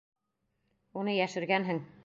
Уны йәшергәнһең!